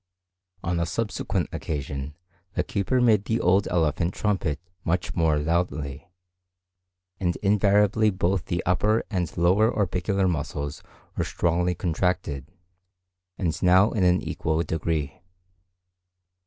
On a subsequent occasion the keeper made the old elephant trumpet much more loudly, and invariably both the upper and lower orbicular muscles were strongly contracted, and now in an equal degree.